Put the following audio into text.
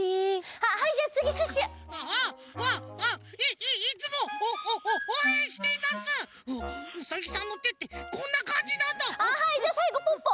あはいじゃあさいごポッポ。